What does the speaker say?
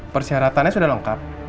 persyaratannya sudah lengkap